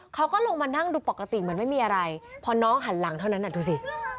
เขาก็ลงมานั่งดูปกติเหมือนไม่มีอะไรพอน้องหันหลังเท่านั้นดูสิ